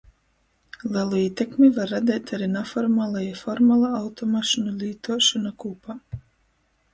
Lelu ītekmi var radeit ari naformala i formala automašynu lītuošona kūpā.